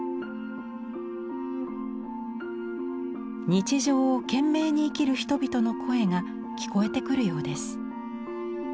日常を懸命に生きる人々の声が聞こえてくるようです。